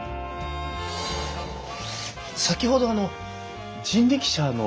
先ほどあの人力車の。